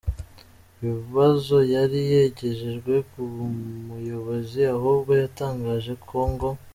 bibazo yari yagejejweho nk’umuyobozi ahubwo yatangaje ko ngo